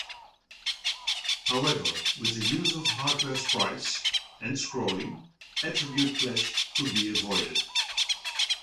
However, with the use of hardware sprites and scrolling, attribute clash could be avoided.